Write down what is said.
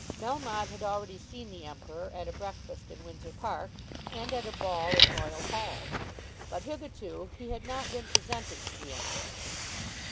Melmotte had already seen the Emperor at a breakfast in Windsor Park, and at a ball in royal halls. But hitherto he had not been presented to the Emperor.